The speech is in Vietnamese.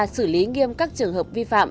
xử lý nghiêm các trường hợp vi phạm